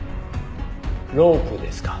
ロープですか？